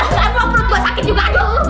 aduh perut gue sakit juga